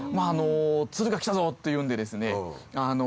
「ツルが来たぞ！」っていうんでですね